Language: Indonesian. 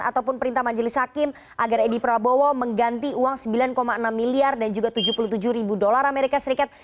ataupun perintah majelis hakim agar edi prabowo mengganti uang sembilan enam miliar dan juga tujuh puluh tujuh ribu dolar amerika serikat